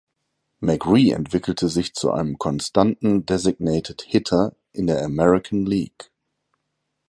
McRae entwickelte sich zu einem konstanten Designated Hitter in der American League.